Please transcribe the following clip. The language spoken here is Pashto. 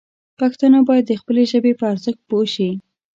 پښتانه باید د خپلې ژبې په ارزښت پوه شي.